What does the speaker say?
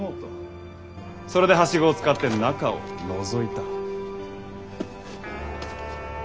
それではしごを使って中をのぞいた。